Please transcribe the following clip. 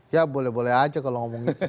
ya boleh boleh aja kalau ngomong gitu sih